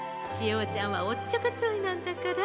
おちゃんはおっちょこちょいなんだから。